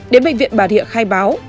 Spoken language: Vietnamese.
đến bệnh viện bà rịa khai báo